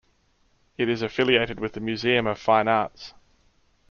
It is affiliated with the Museum of Fine Arts.